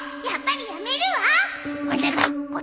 やっぱりやめるわ